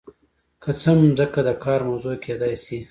که څه هم ځمکه د کار موضوع کیدای شي.